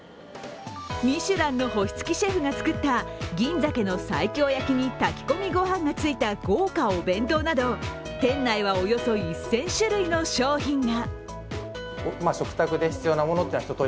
ミシュランの星付きシェフが作った銀鮭の西京焼きに炊き込みごはんがついた豪華お弁当など店内はおよそ１０００種類の商品が。